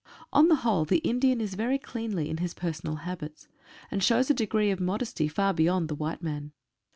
On the whole the Indian is very cleanly in his personal habits, and shows a degree of modesty far beyond the white man.